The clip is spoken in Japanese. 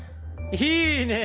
いいね。